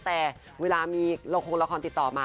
แต่เวลามีละครละครติดต่อมา